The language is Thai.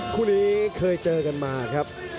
คู่นี้เคยเจอกันมาครับ